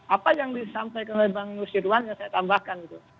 apa yang disampaikan oleh bang nusyirwan yang saya tambahkan gitu